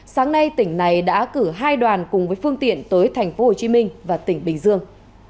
sáng nay tỉnh này đã cử hai đoàn cùng với phương tiện tới tp hcm và tỉnh bình dương